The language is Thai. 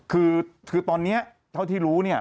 คือตอนนี้เท่าที่รู้เนี่ย